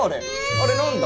あれ何だ？